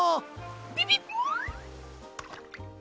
ピピッ！